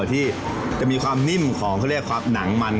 ที่จะมีความนิ่มของเขาเรียกความหนังมัน